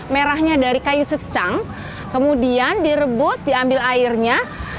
merahnya dari kayu secang kemudian direbus diambil airnya